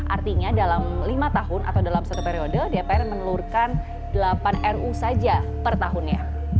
artinya dalam lima tahun atau dalam satu periode dpr menelurkan delapan ru saja per tahunnya